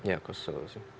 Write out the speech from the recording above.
ya kesel sih